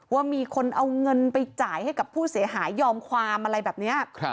ว่ามีคนเอาเงินไปจ่ายให้กับผู้เสียหายยอมความอะไรแบบนี้